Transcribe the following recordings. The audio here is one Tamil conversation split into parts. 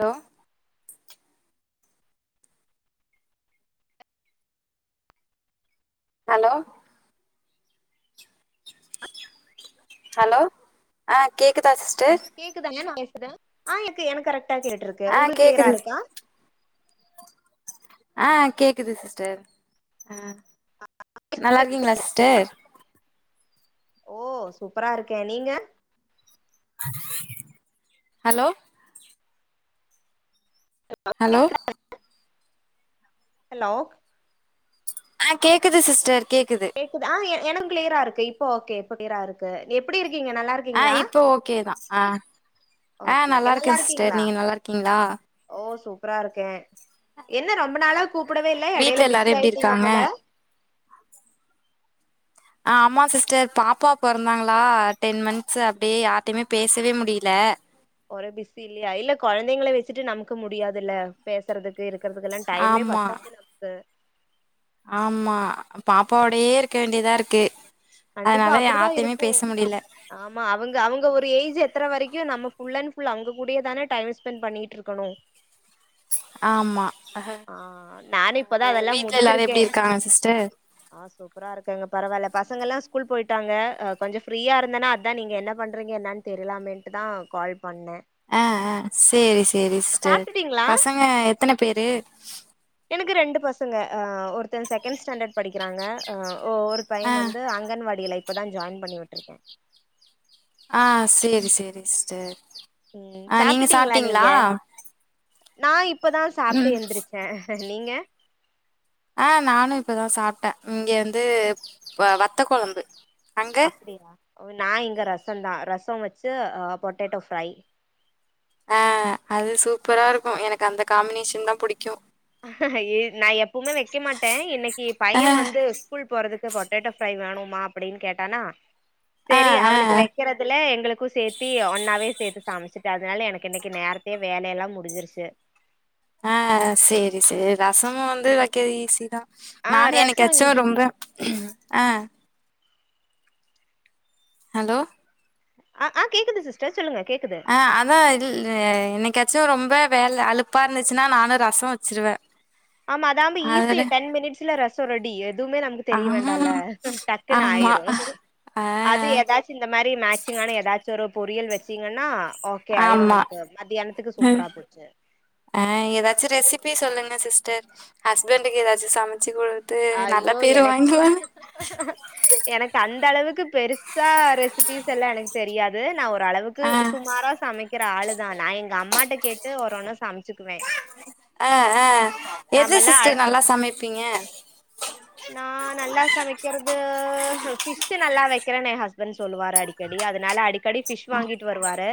ஹலோ ஹலோ ஹலோ ஆ கேக்குதா சிஸ்டர் கேக்குதானே நான் வசுேன் ஆ அ எனக்கு எனக்கு கரெக்டா கேட்டிருக்கு ஆ உங்களுக்கு கிளியரா கேக்குது இருக்கா ஆ கேக்குது சிஸ்டர் அ நல்லா இருக்கீங்களா சிஸ்டர் ஓ சூப்பரா இருக்கே நீங்க ஹலோ ஏ பா ஹலோ ஹலோ ஆ கேக்குது சிஸ்டர் கேக்குது எனக் கிளியரா இருக்கு இப்ப ஓகே கிளிய இருக்கு எப்படி இருக்கீங்க நல்லா இருக் ஆ இப்போ ஓகே தா ஆ ஆ ஓகே நல்லா ஓகே இருக்கே சிஸ்டர் இருக்கீங்களா நீங்க நல்லா இருக்கீங்களா ஓ சூப்பரா இருக்கே என்ன ரொம்ப நாளா கூப்பிடவே இல்ல எடயில வீட்ல பிஸி எல்லாரு எப்டி ஆயிட்டீங்க இருக்காங்க போல ஆ ஆம்மா சிஸ்டர் பாப்பா பெறந்தாங்களா டென் மந்த்த்ஸூ அப்டியே யாரிட்டையுமே பேசவே முடியல ஒரே பிஸி இல்லயா இல்ல குழந்தைங்கள வெச்சுட்டு நமக்கு முடியாதில்ல பேசுறதுக்கு இருக்கறதுக்குலா டைமே பத்தாது நமக்கு ஆம்மா பாப்பாவோடயே இருக்க வேண்டியதா இருக்கு கண்டிப்பா அதனால அப்டிதா யாரட்டயமே இருக்கு பேச முடியல ஆமா அவங்க அவங்க ஒரு ஏஜ் எத்துற வரைக்கூ நம்ம ஃபுல் அன் ஃபுல் அவங்க கூடயே தான டைம் ஸ்பெண்ட் பண்ணிட்டுருக்கனோ ஆமா அ ஹெ ஆ நானு அ இப்பதா அதெல்லா விட்ல எல்லாரூ முடிச்சிருக்கே எப்டி இருக்காங்க சிஸ்டர் ஆ சூப் சூப்பிறா இருக்கோங்க பரவால்லா பசங்கெல்லா ஸ்கூல் போயிட்டாங்க அ கொஞ்சொ ஃப்ரீயா இருந்தனா அதா நீங்க என்ன பண்றீங்க என்னன்னு தெரில்லாமேன்ட்டு தா கால் பண்ணே அ ஆ சேரி சேரி சிஸ்டர் சாப்ட்டுட்டீங்களா பசங்க எத்தன பேரு எனக்கு ரெண்டு பசங்க ‌அ ஒருத்தன் செகண்ட் ஸ்டாண்டர்ட் படிக்கிறாங்க அ ஒ ஒரு ஆ பையன் வந்து அங்கன்வாடியில இப்பதா ஜாயின் பண்ணி விட்டுருக்கே ஆ சேரி சேரி சிஸ்டர் ம் ஆ நீங்க சாப்ட்டுட்டீங்களா சாப்ட்டீங்களா நீங்க நா இப்பதா ம் சாப்ட்டு ஏந்திருச்சே நீங்க ஆ நானு இப்பதா சாப்ட்டே இங்க வந்து வ வத்த கொழம்பு அங்க அப்டியா நா இங்க ரசொ தா ரசொ வெச்சு போட்டாட்டோ ப்ரை ஆ அது சூப்பரா இருக்கூ எனக்கு அந்த காம்பினேஷன் தா பிடிக்கூ ஏ நா எப்பமே வைக்க மாட்டே இன்னிக்கு ஆ பையே வந்து ஸ்கூல் போறதுக்கு போட்டட்டோ ஃப்ரை வேணுமா அப்படின்னு கேட்டானா ஆ சரி ஆ அவனுக்கு வை வைக்கிறதுல எங்களுக்கூ சேர்த்தி ஒன்னாவே சேர்த்து சமைமிச்சுட்டோ அதனால எனக்கு இன்னிக்கு நேரத்தையே வேலையெல்லா முடிஞ்சிருச்சு அ சேரி சேரி ரசமும் வந்து வைக்கரத்து ஈசி தா ஆ நானூ என்னிக் ரசோ காச்சூ ஈசி ரொம்ப ஆ ஹலோ அ ஆ கேக்குது சிஸ்டர் சொல்லுங்க கேக்குது ஆ அதான் இல்ல என்னைக்காச்சூ ரொம்ப வேல அலுப்பா இருந்துச்சுன்னா நானூ ரசொ வச்சிருவே ஆமா அதாம்ப ஈஸி அதுல டென் மினிட்ஸ்ல ரசோ ரெடி எதுமே நமக்கு ஆ தெரிய வேண்டால டக்குன் ஆமா ஆயிரு ஆ அது ஏதாச் சு இந்த மாரி மேட்சிங்கான ஏதாச்சு ஒரு பொரியல் வெச்சிங்கன்னா ஓகே ஆயிரு ஆமா நெனைக்கறே மத்யானத்துக்கு சூப்பரா போச்சு ஆ ஏதாச்சி ரெசிபி சொல்லுங்க சிஸ்டர் ஹஸ்பண்டுக்கு ஏதாச்சு சமச்சு குடுக் ஆய்யோ எனக்கு எனக் அந்த அளவுக்கு பெருசா ரெசிபிஸ் எல்லா எனக் தெரியாது நா ஒரளவுக் க்கு ஆ சுமாரா சமைக்கிற ஆளுதா நா எங்க அம்மாட்டா கேட்டு ஒர்ஒன்னு சமச்சுக்குவே ஆ ஆ எது சிஸ்டர் நா ப்பீங்க நா நல்லா சமைக்கற்து ஃபிஷ்சு நல்லா வெக்கிறேன் எ ஹஸ்பண்ட் சொல்லுவாரு அடி க்கடி அதனால அடிக்கடி ஃபிஷ் வாங்கிட் வருவாரு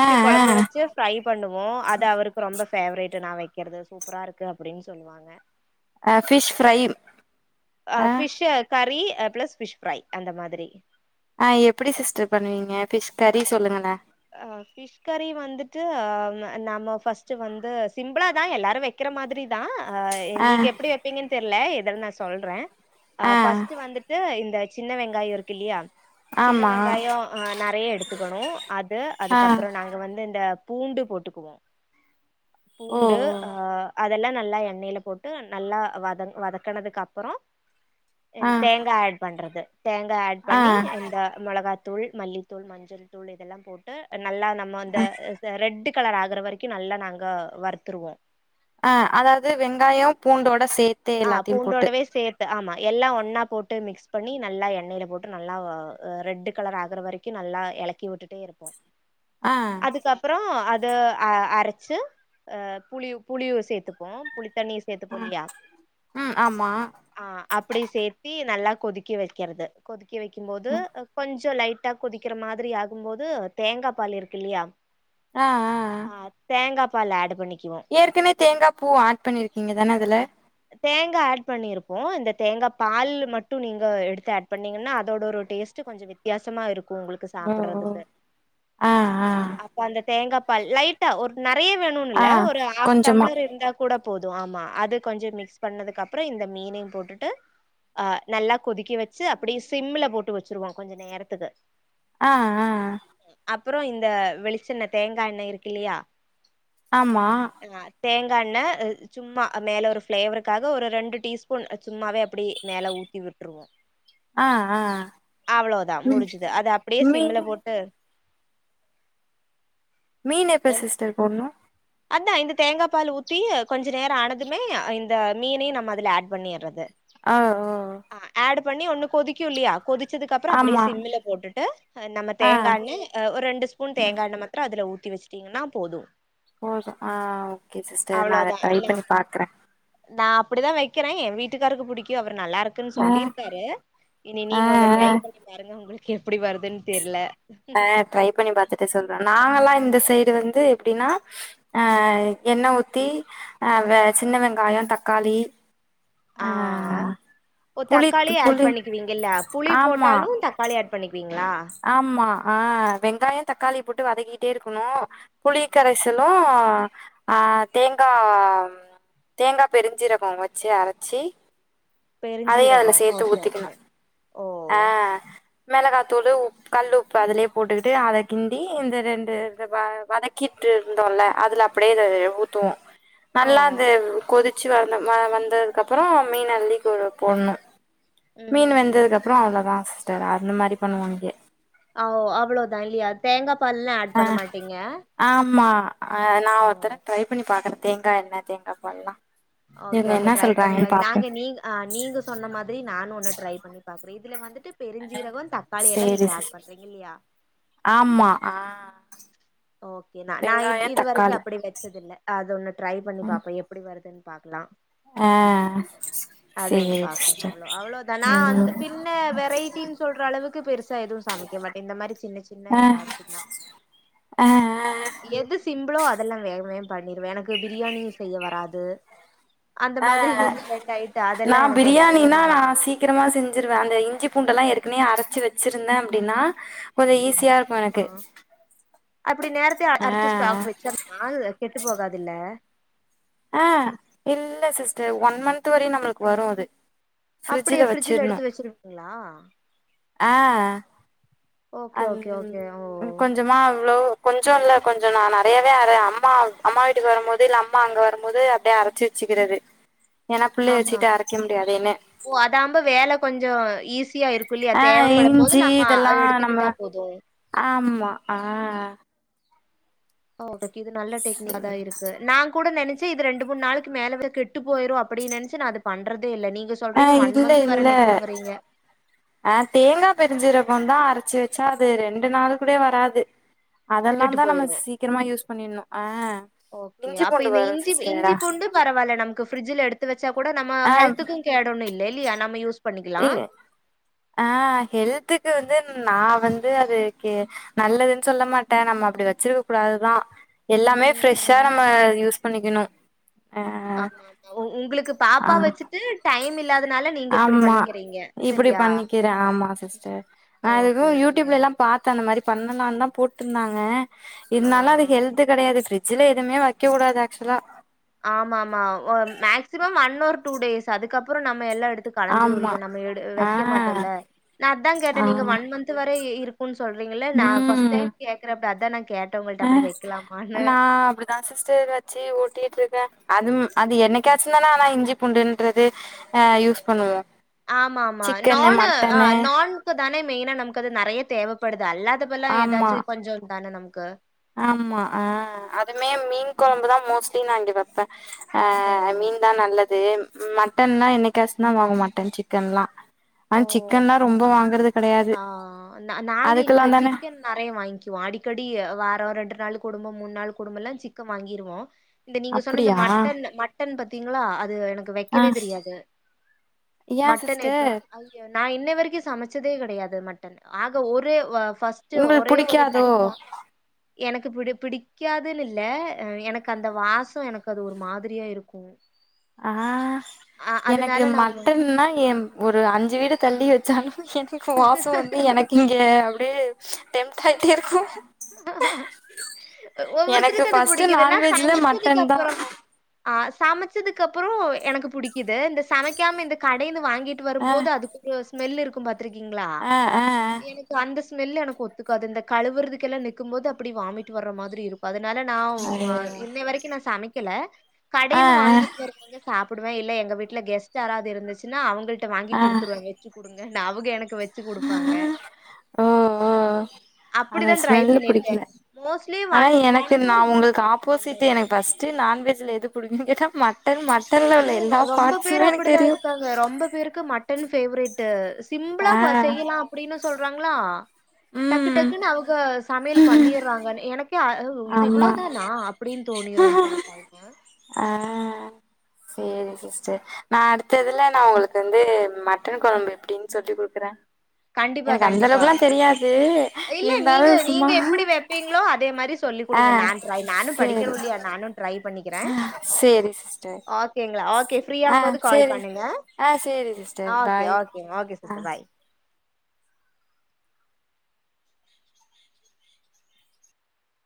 ஆ ஆ கொழம்பு வெச்சு ஃப்ரை பண்ணுவோ அது அவருக்கு ரொம்ப ஃபேவரேட்டு நா வெக்கற்து சூப்பரா இருக்கு அப்டின் சொல்லுவாங்க ஆ ஃபிஷ் ஃப்ரை ஆ fish curry plus fish fry அந்த மாத்ரி ஆ எப்டி சிஸ்டர் பண்ணுவீங்க ஃபிஷ் கரி சொல்லுங்களே ஆ ஃபிஷ் ஃபிஷ் கறி வந்துட்டு நம்ம ஃபர்ஸ்ட்டு வந்து சிம்பிளா தா எல்லாரு வெக்கிற மாத்ரி தா அ ஆ நீங்க எப்டி வெப்பீங்கன் தெர்ல இதல் நா சொல்றே அ ஆ ஃபஸ்ட்டு வந்துட் டு இந்த சின்ன வெங்காயோ இருக்கில்லியா சின்ன ஆமா வெங்காயோ அ நெறைய எடுத்துக்கணு ஆ அதுக்கப்புறோ நாங் வந்து இந்த பூண்டு போட்டுக்குவோ ஓ பூண்டு ஓ அ அதெல்லா நல்லா எண்ணெயில போட்டு நல்லா வதங் வதக்குனதுக்கப்பறோ ஆ இன் தேங்கா ஆட் பண்றது தேங்கா ஆட் ஆ பண்ணி இந்த மிளகாத் தூள் மல்லித்தூள் மஞ்சள் தூள் இதெல்லா போட்டு நல்லா நம்ம அந்த இத ரெட்டு் கலர் ஆகுற வரைக்கு நல்லா நாங்கோ வருத்துருவோ ஆ அதாவது வெங்காயோ பூண்டோட சேத் ஆ பூண்டோடவே சேத் து ஆமா எல்லா ஒன்னா போட்டு மிக்ஸ் பண்ணி நல்லா எண்ணெயில போட்டு நல்லா வ அ ரெட்டு் கலர் ஆகற வரைக் கி நல்லா எலக்கி விட்டுட்டே இருப்போ ஆ அதுக்கப்புறோ அது அ அரச்சு அ புளி புளியு சேத்துப்போ புளித்தண்ணி ம் உம் ஆமா ஆ அப்டி சேர்த்தி நல்லா கொதிக்க வெக்கறது கொதிக்க வெக்கும் போது அ கொஞ் கொஞ்சோ லைட்டா கொதிக்கற மாத்ரி ஆகும் போது தேங்கா பால் இருக்கு இல்லையா ஆ தேங்கா பால் ஆட் பண்ணிக்குவோ ஏற்கனவே தேங்கா பூ ஆட் பண்ணியிருக்கீங்க தான அதுல ஆ தேங்கா ஆட் பண்ணிருப்போ இந்த தேங்கா பால்லு மட்டு நீங்க எடுத்து ஆட் பண்ணீங்கன்னா அதோட ஒரு டேஸ்ட்டு கொஞ்ச வித்தியாசமா இருக்கு உங்ளுக் கு ஓ ஓ சாப்புட்றதுக்கு ஆ ஆ அப்ப அந்த தேங்கா பால் லைட்டா ஒர் நெறைய வேணு ஆ ன்னில்ல ஒரு ஆஃப் கொஞ்சமா டம்ளர் இருந்தா கூட போது ஆமா அது கொஞ்சொ மிக்ஸ் பண்ணதுக் அப்பறோ இந்த மீனையு போட்டுட்டு அ நல்லா கொதிக்க வெச்சு அப்டியே சிம்ல போட்டு வெச்சருவோ கொஞ்ச நேரத்துக்கு ஆ அ அப்புறோ இந்த வெளிச்செண்ண தேங்கா எண்ண இருக்கில்லையா ஆம்மா ங்கா தேங்கா எண்ணெய் அ சும்மா மேல ஒரு ஃப்ளேவரு காக ஒரு ரெண்டு டீஸ்பூன் சும்மாவே அப்டியே மேல ஊத்தி விட்ருவோ ஆ ஆ அவ்ளோதா ம் முடிஞ்சுது அது அப்டியே சிம்ல மீனு போட்டு மீன் எப்ப சிஸ்டர் போட்னு அதா இந்த தேங்கா பாலு ஊத்தி கொஞ்ச நேர ஆனதுமே இந்த மீனையு நம்ம அதுல ஆட் பண்ணிர்றது ஆ ஓ ஆடு பண்ணி ஒன்னு கொதிக்கு இல்லியா கொதி ச்சதுக்ப்றொ அப்டியே ஆமா சிம்மில போட்டுட்டு அ நம்ம ஆ தேங்காண்ணெ ஒர்‌ ரெண்டு ஸ் பூன் தேங்கா எண்ணெ மத்ர அதுல ஊத்தி வச்சுட்டிங்கன்னா போது போது ஆ ஓகே சிஸ்டர் நா அத அவ்ளோதா ட்ரை நா பண்ணி பாக்குறே நா அப்பிடிதா வக்கிறே எ வீட்டுக்காருக்கு புடிக்கு அவர் நல்லாருக்குன்னு ஆ சொல்லிருக்காரு இனி ஆ நீங்க ஒன்னு ட்ரை ஆ பண்ணி பாருங்க உங்களுக்கு எப்புடி வருதுன் தெர்ல ஆ ட்ரை பண்ணி பாத்துட்டு சொல்றே நாங்கல்லா இந்த சைடு வந்து எப்டின்னா ஆ எண்ண ஊத்தி அ வ சின்ன வெங்காயொ தக்காளி ஆ ஓ புளி தக்காளி ஆட் புளி பண்ணிக்குவீங்கல்ல புளி ஆமா போட்டாலு தக் காளி ஆட் பண்ணிக்வீங்ளா? ஆமா ஆ வெங்காயொ தக்காளிய போட்டு வதக்கிகிட்டே இருக்கனு புளி கரைசலு ஆ தேங்கா தேங்கா பெருஞ்சீரகொ வச்சு அரச்சி அதையு பெருஞ்சீரகொ அதுல சேத்து ஓகே ஓகே ஊத்திக்கணு ஓ ஆ மெளகா தூளு உ கல்லுப்பு அதுலே போட்டுகிட்டு அத கிண்டி இந்த ரெண்டு இது வ வதக்கிட்டு இருந்தோல்ல அதுல அப் பிடியே இத ஊத்துவோ ஓ நல்லா அந்த கொதி ச்சு வந்த வ வந்ததுக்கப்புறோ மீன் அள்ளி கொ போன்னு ம் மீன் ம் ம் வெந்ததுகப் புறோ அவ்ளதா சிஸ்டர் அந்த மாரி பண்ணுவோ இங்கே அ ஓ அவ்ளோதா இல்லியா தேங்கா பால்லா ஆட் ஆ பண்ண மாட்டீங்க ஆமா அ நா ஓ ஒருத் தர ட்ரை பண்ணி பாக்குறே தேங்கா எண்ண தேங்காப்பால்லா எல்லாம் ஓகே ஓகே ட்ரை பண்ணி பாக்க நாங்க நீங்க ஆ நீங்க சொன்ன மாதிரி நானு ஒன்னு ட்ரை பண்ணி பாக்குறே இதுல வந்துட்டு பெருஞ்சீரகொ தக்காளி எல்லா சேரி நீங்க ஆட் சிஸ் பண்றீங்கல்லியா? ஆமா ஆ ஓகே நா நா இ வெங்காயோ இது வரைக்கு தக்காளி அப்பிடி வச்சதில்ல அது ஒன்னு ட்ரை பண்ணி ஆ பாப்போ எப் பிடி வருதுன் பாக்லா ஆ அது ஒன்னு சேரி பாக்கனு சிஸ்டர் அவ்ளொ அவ்ளொதானா அந்த ம் பின்ன வெரைட்டின் சொல்ற அளவுக்கு பெருசா எதுவு சமைக்க மாட்டே இந்த மாரி சின்ன சின்ன எதாவ்துன்னா அ எது சிம்பிளோ அதெல்லா வேக வேகம் பண்ணிருவே எனக்கு பிரியாணி செய்ய வராது அந்த ஆ ஆ மாதிரி ஒன்னு ரெண்டு ஆய்ட்டு நா அதெல்லா எனக்கு வரவே பிரியாணினா நா வராது சீக்கிரமா செஞ்சிருவே அந்த இஞ்சி பூண்டல்லா ஏற்கனவே அரைச்சு வச்சிருந்த அப்டின்னா கொஞ்சோ ஈஸியா இருக்கு ஆ எனக்கு அப்படி நேரத்த ஆ அரிச்சு ஸ்டாக் வச்சிர்லா கெட்டு போகாதுல்ல ஆ இல்ல சிஸ்டர் ஒன் மந்த்து வரையு நம்பளுக்கு வரு அது ஃபிரிட்ஜ்ஜுல அப்டியே ஃப்ரிட்ஜ்ல வச்சிருணு எடுத்து வச்சிருவீங்களா ஆ ஓகே அச் ஓகே ஓகே ஓ கொஞ்சமா அவ்ளோ கொஞ்சொல்ல கொஞ்சோ நா நறையவே அர அம்மா அம்மா வீட்டுக்கு வரும்மோது இல்ல அம்மா அங்க வரும்மோது அப்டியே அரச்சி வச்சுக்கிறது ஏன்னா புள்ளைய ஆஹா வச்சுிட்டு அரக்க முடியாது என்ன ஓ அதாம்ப வேல கொஞ்சோ ஈஸியா இருக்கு இல்லியா ஆ தேவப்படும் போது இஞ்சி நம்ம இதெல்லா நம்ம எடுத்துக்கிட்டா போது ஆமா ஆ ஓ [unintelligible] இது நல்ல டெக்னிக்காதா இருக் நா கூட நெனச்சே இது ரெண்டு மூண் நாளக்கி மேல வர கெட்டு போயிரு அப்பிடின் நெனச்சு நா அது பண்றதே இல்ல நீங்க ஆ சொல்றீங்க ஓன் மந்த்து வர நிக்குங்கிறீங்க அ தேங்கா பெருஞ்சீரகோ தா அரைச்சு வச்சா அது ரெண்டு நாள் கூடயு வராது அதல்லா கெட்டு தா நம்ம போயிரு சீக்கரமா யூஸ் பண்ணிட்ணு ஆ இஞ்சி பூண்டு வரு சிஸ்டர பரவாயில்ல நமக்கு ஃப்ரிட்ஜுல எடுத்து வச்சா கூட நம்ம ஆ ஹெல்த்தக்கு கேடு ஒன்னு இல்லைய நம்ம யூஸ் பண்ணிக்கலா இ ஆ ஹெல்த்துக்கு வந்து நா வந்து அதுக்கு நல்லதுன் சொல்ல மாட்ட நம்ம அப்படி வச்சிருக்க கூடாதுதா எல்லாமே ஃப்ரெஷ்ஷா ம் நம்ம யூஸ் பண்ணிக்குணு ஆமா ஆமா உங்களுக்கு ஆ பாப்பா வச்சுட்டு டைம் இல்லாத ஆமா இப்படி பண்ணிக்கிறே ஆமா சிஸ்டர் நா அதுக்கு ஓகே ஓகே யூடியூப்லல்லா பாத்த அந்த மாரி பண்ணலான் தா போட்டிருந்தாங்க இருந்தாலு ஆ அது ஹெல்த் கடையாது ஃபிரி ஃபிரிட்ஜ்ஜுல எதுமே வைக்கூடாது ஆக்சுவலா ஆமா ஆமா ஒ maximum one or two days அதுக்கப்புறோ நம்ம எல்லா எடுத்து கலைஞ்சிரு‌ ஆமா இல்லைய நம்ம எடு ஆ வைக்க மாட்டோல்ல நா அதா கேட்ட ஆ நீங்க ஒன் மந்த்து வரை இரு க்குன் சொல்றீங்கள நா ஃபஸ்ட் ம் டைம் கேக்குறப்ப அதா நா கேட்ட உங்கள்டிட்ட அப்படி வைக்கலாமான்னு அதா சிஸ்டர் வச்சு ஓட்டிட்ருக்க அது அது என்னைக்காச்சுந்தானா ஆனா இஞ்சி பூண்டுன்றது ஆ யூஸ் பண்ணுவோ ஆமா ஆமா சிக்கனு நானு ஆ மட்டனு நான்க்கு தான மெயினா நமக்கு அது நறைய தேவப்படுது அல்லாத இப்பல்லா ஆமா ஏதாச்சு கொஞ்சோ தான நமக்கு ஆமா ஆ அதுமே மீன் கொழம்புதா மோஸ்ட்லி நா இப்டி வைப்ப அ ஓ! மீன் தா நல்லது மட்டன்லா என்னைக்காசு தா வாங்குவோ மாட்டன் சிக்கன்லா ஆனா ஓ! சிக்கன்ல்லா ரொம்ப வாங்குறதுக் ஆ ஆ நா நாங்க இங்க தான சிக்கன் நறைய வாங்கிவோ அடிக்கடி வாரோ ரெண்டு நாள் கொடும மூணு நாள் கொடுமல்லா சிக்க வாங்கிருவோ இந்த நீங்க சொன்ன இந்த அப்டியா மட்டன் மட்டன் பத்தீங்களா அது எனக்கு ஆ வைக்கவே தெரியாது ஏ மட்டன் வைப்ப சிஸ்டர் ஐ நா இன்ன வரைக்கு சமைச்சதே கடையாது மட்டன் ஆக ஒரே வ ஃபஸ் ட்டு உங்களுக்கு ஒரே ஒரு புடிக்காதோ டைம் தா எனக்கு பிடி பிடிக்காதுன்னு இல்ல அ எனக்கு அந்த வாசோ எனக்கு அது ஒரு மாதிரியா இருக்கு ஆ அ எனக்கு அதனால நாம மட்டன்னா எம் ஒரு அஞ்சு வீடு தள்ளி வச்சாலு எனக்கு வாசோ வந்து எனக் இங்க அப்டியே டெம்ட் ஆயிட்டே இருக்கு எனக்கு ஒவ்வொருத்தருக்கு அது ஃபர்ஸ்ட் புடிக்குது நா நான்வெஜ்ல சமைச்சதுக்கு மட்டன் தா அப்பறமா ஆ சமைச்சதுக்கு அப்புறோ எனக்கு புடிக்குது இந்த சமைக்காம இந்த கடைந்து வாங்கிட்டு ஆ வரும்போது அது ஒரு ஸ்மெல்லு இருக்கு பாத்திருக்கீங்ளா ஆ ஆ எனக்கு அந்த ஸ்மெல்லு எனக்கு ஒத்துக்காது இந்த கழுவுறதுக்கெல்லா நிக்கும்போது அப்படி வாமிட் வர்ற மாதிரி இருக் அதனால நா வ ஐயயோ இன்னை வரைக்கு நா சமைக்கல ஆ கடைந்து வாங்கிட்டு வரு சாப்புடுவ இல்ல எங்க வீட்ல கெஸ்ட் யாராது இருந்துச்சுன்னா அவுங்கள்ட்ட வாங்கி ஆ ஆ குடுத்துருவ வெச்சு குடுங்க நா அவுங்க எனக் க்கு வெச்சு குடுப்பாங்க ஓ ஓ அந்த அப்டிதா ட்ரை ஸ்மெல்லு பண்ணிருக்க புடிக்கல மோஸ்ட்லி ஆனா one one or two times அவ்ளோதா ஃபஸ்ட்டு நான்வெஜ்ல எது புடுக்குன்னு கேட்டா மட்டன் மட்டன்ல இல்ல உள்ள எல்லா ரொ- ரொம்ப பேர் பாட்ஸுமே எனக்கு அப்படிதா தெரியு இருக்காங்க. ரொம்ப பேருக்கு மட்டன் ஃபேவரெட்டு சிம்புளா ஆ பா செய்யலா அப்புடினு சொல்றாங்களா டக்கு ம் டக்குன்னு அவுங்க சமையல் பண்ணிர்றாங்க எனக்கே ஓ இது ஆமா இவ்வளோதானா அப்டின் தோணிரு‌ சில டைம் ஆ எது சிஸ்டர் நா அடுத்ததுல நா உங்களுக்கு வந்து மட்டன் கொழம்பு எப்டின் சொல்லி குடுக்குற கண்டிப்பா எனக்கு அந்த கண்டிப்பா. அளவுக்கெல்லா தெரியாது இருந்தாலு சும்மா வெப்பீங்களோ அதே மாரிஸ் சொல்லி ஆ குடுங்க நா ட்ரை நானும் சேரி படிக்கணுல்லியா நானு ட்ரை பண்ணிக்கிற சேரி சிஸ்டர் ஆக் ஓகேங்களா ஓகே ஃப்ரீ ஆ ஆகும் போது கால் சேரி பண்ணுங்க ஆ சேரி சிஸ்டர் ஓகே பாய் ஓகேங் ஓகே ஆ சிஸ்டர் பாய்